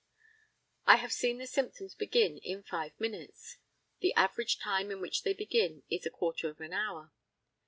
I have seen the symptoms begin in five minutes. The average time in which they begin is a quarter of an hour.